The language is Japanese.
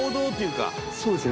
そうですね。